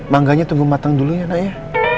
mangganya tunggu matang dulunya nak ya